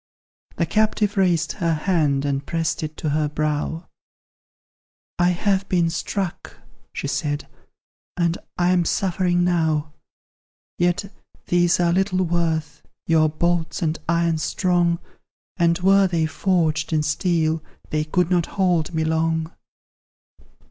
The captive raised her hand and pressed it to her brow; "I have been struck," she said, "and I am suffering now; Yet these are little worth, your bolts and irons strong; And, were they forged in steel, they could not hold me long."